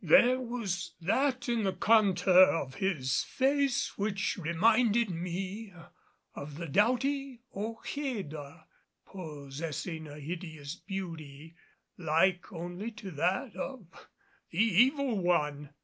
There was that in the contour of his face which reminded me of the doughty Ojeda, possessing a hideous beauty like only to that of the evil one.